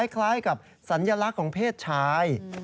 คล้ายกับสัญลักษณ์ของเพศชาย